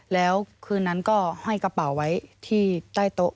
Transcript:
แล้วคืนนั้นก็ห้อยกระเป๋าไว้ที่ใต้โต๊ะ